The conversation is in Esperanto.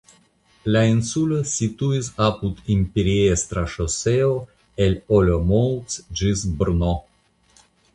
La insulo situis apud imperiestra ŝoseo el Olomouc ĝis Brno.